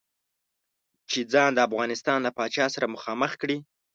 چې ځان د افغانستان له پاچا سره مخامخ کړي.